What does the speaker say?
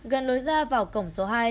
gần lối ra vào cổng số hai